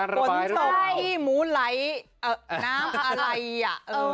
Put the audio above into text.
ฝนตกขี้หมูไหลน้ำอะไรอ่ะ